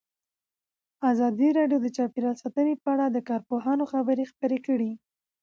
ازادي راډیو د چاپیریال ساتنه په اړه د کارپوهانو خبرې خپرې کړي.